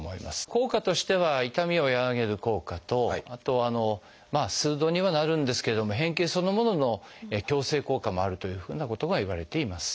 効果としては痛みを和らげる効果とあと数度にはなるんですけれども変形そのものの矯正効果もあるというふうなことがいわれています。